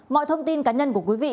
mọi thông tin cá nhân của quý vị